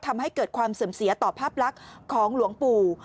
ทำให้เกิดความเสื่อมเสียต่อภาพลักษณ์ของหลวงปู่